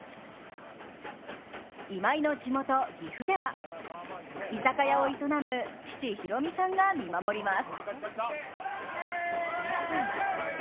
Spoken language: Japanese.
今井の地元・岐阜では居酒屋を営む父・博美さんが見守ります。